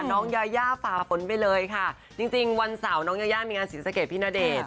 น้องยาย่าฟาฟ้นไปเลยค่ะจริงวันเสาร์น้องยาย่ามีงานศิษฐกิจพี่ณเดชน์